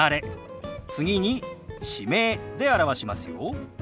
次に地名で表しますよ。